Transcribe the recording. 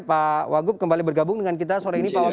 pak wagub kembali bergabung dengan kita sore ini pak wagub